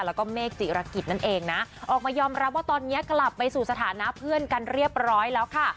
แล้วก็เมฆจิรกิจนั่นเองนะออกมายอมรับว่าตอนนี้กลับไปสู่สถานะเพื่อนกันเรียบร้อยแล้วค่ะ